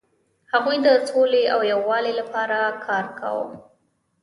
هغوی د سولې او یووالي لپاره کار کاوه.